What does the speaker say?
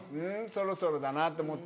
そろそろだなと思って。